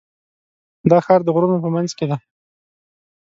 دا ښار د غرونو په منځ کې دی.